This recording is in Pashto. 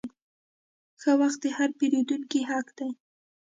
ښه خدمت د هر پیرودونکي حق دی.